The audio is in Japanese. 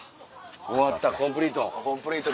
終わったコンプリート。